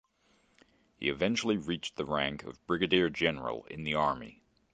He eventually reached the rank of brigadier general in the army.